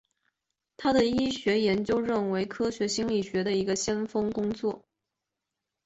他的医学研究成为科学心理学的先锋工作。